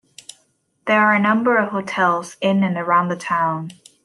There are a number of hotels in and around the town.